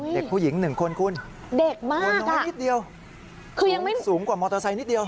เด็กผู้หญิง๑คนคุณหน่อยน้อยนิดเดียวคุณสูงกว่ามอเตอร์ไซค์นิดเดียว